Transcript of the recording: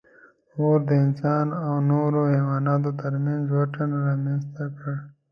اور د انسان او نورو حیواناتو تر منځ واټن رامنځ ته کړ.